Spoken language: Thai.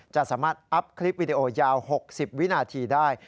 จะสามารถอัพคลิปวิดีโอยาว๖๐วินาทีได้